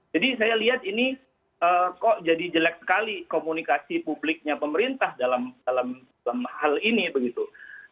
jadi saya lihat ini kok jadi jelek sekali komunikasi publiknya pemerintah dalam hal ini begitu